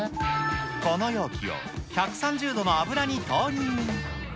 この容器を１３０度の油に投入。